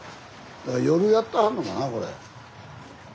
だから夜やってはんのかなこれ。